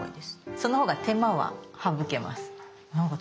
そのほうが手間は省けます。